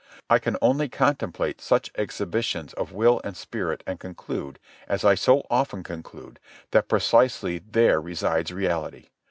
I can only contemplate such exhibitions of will and spirit and conclude, as I so often conclude, that precisely there resides reality.